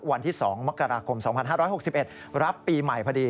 วันที่๒มกราคม๒๕๖๑รับปีใหม่พอดี